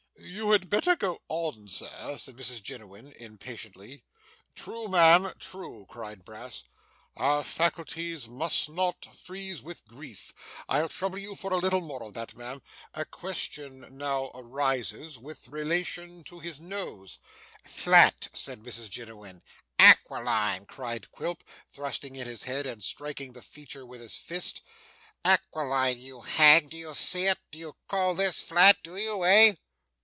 'You had better go on, sir,' said Mrs Jiniwin impatiently. 'True, ma'am, true,' cried Mr Brass. 'Our faculties must not freeze with grief. I'll trouble you for a little more of that, ma'am. A question now arises, with relation to his nose.' 'Flat,' said Mrs Jiniwin. 'Aquiline!' cried Quilp, thrusting in his head, and striking the feature with his fist. 'Aquiline, you hag. Do you see it? Do you call this flat? Do you? Eh?